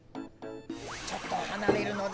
ちょっとはなれるのだ。